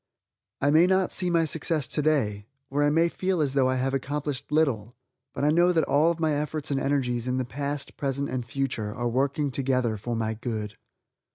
I may not see my success today, or I may feel as though I have accomplished little, but I know that all my efforts and energies, in the past, present and future, are working together for my good.